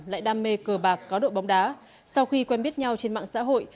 lại đam mê cờ bạc có độ bóng đá sau khi quen biết nhau trên mạng xã hội